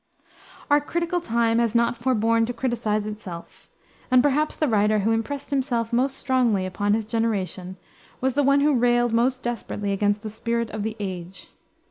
Our critical time has not forborne to criticize itself, and perhaps the writer who impressed himself most strongly upon his generation was the one who railed most desperately against the "spirit of the age."